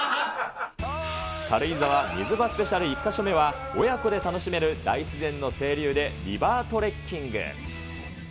軽井沢水場スペシャル１か所目は、親子で楽しめる大自然の清流でリバートレッキング。